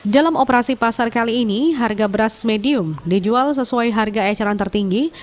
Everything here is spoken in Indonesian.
dalam operasi pasar kali ini harga beras medium dijual sesuai harga eceran tertinggi